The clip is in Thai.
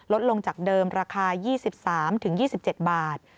ลดลงจากเดิมราคา๒๓๒๗บาท